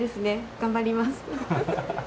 頑張ります。